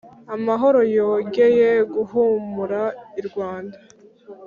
Amahoro yongeye guhumura i Rwanda